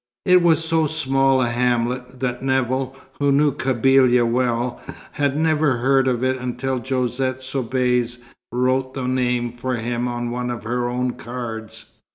It was so small a hamlet, that Nevill, who knew Kabylia well, had never heard of it until Josette Soubise wrote the name for him on one of her own cards.